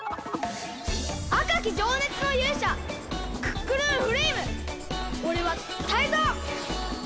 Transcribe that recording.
あかきじょうねつのゆうしゃクックルンフレイムおれはタイゾウ！